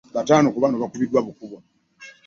Bataano ku bano baakubiddwa bukubwa.